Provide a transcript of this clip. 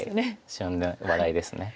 旬な話題ですね。